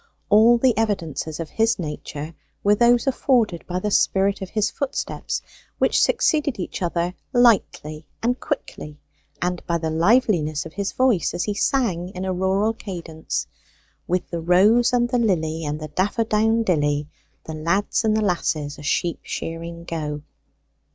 All the evidences of his nature were those afforded by the spirit of his footsteps, which succeeded each other lightly and quickly, and by the liveliness of his voice as he sang in a rural cadence: "With the rose and the lily And the daffodowndilly, The lads and the lasses a sheep shearing go."